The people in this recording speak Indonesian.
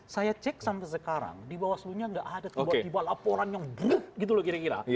saya cek sampai sekarang di bawaslu nya tidak ada tiba tiba laporan yang blup gitu loh kira kira